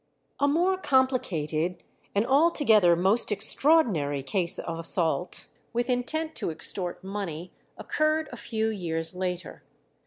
A more complicated and altogether most extraordinary case of assault, with intent to extort money, occurred a few years later.